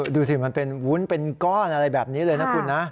ดูสิมันเป็นวุ้นเป็นก้อนอะไรแบบนี้เลยนะคุณนะ